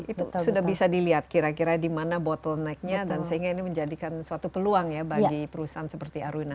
itu sudah bisa dilihat kira kira di mana bottlenecknya dan sehingga ini menjadikan suatu peluang ya bagi perusahaan seperti aruna